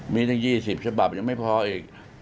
มีตั้ง๒๐ฉบับยังไม่พออีก